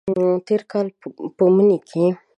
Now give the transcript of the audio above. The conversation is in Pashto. تیر کال په مني کې